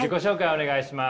お願いします。